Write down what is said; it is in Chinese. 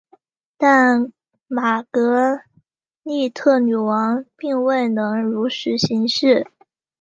但玛格丽特女王并未能如实行事。